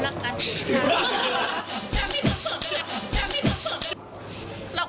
รีแอฟ